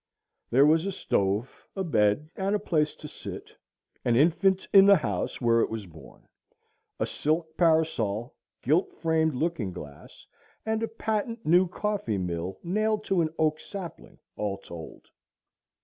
There was a stove, a bed, and a place to sit, an infant in the house where it was born, a silk parasol, gilt framed looking glass, and a patent new coffee mill nailed to an oak sapling, all told.